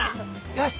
よし！